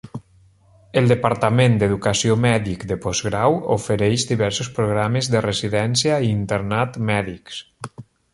El departament d'educació mèdic de postgrau ofereix diversos programes de residència i internat mèdics.